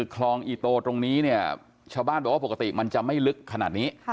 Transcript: คลองอีโตตรงนี้เนี่ยชาวบ้านบอกว่าปกติมันจะไม่ลึกขนาดนี้